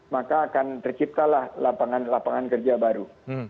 maka akan terciptalah lapangan lapangan kerja baru